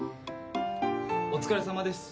お疲れさまです。